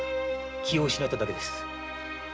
気を失っただけです。